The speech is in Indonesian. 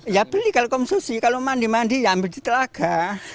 ya beli kalau konsumsi kalau mandi mandi ya ambil di telaga